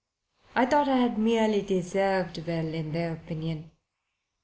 I thought I had merely deserved well in their opinion.